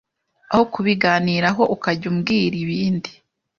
aho kubiganiraho ukajya umubwira ibindi